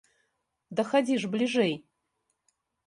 Да хадзі ж бліжэй!